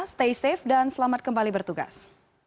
stay safe dan selamat kembali bertugas